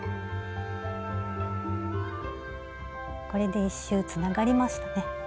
これで１周つながりましたね。